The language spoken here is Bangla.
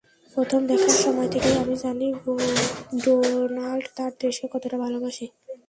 প্রথম দেখার সময় থেকেই আমি জানি ডোনাল্ড তাঁর দেশকে কতটা ভালোবাসে।